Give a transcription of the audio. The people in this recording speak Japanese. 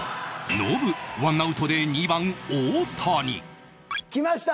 ノブワンアウトで２番大谷きました！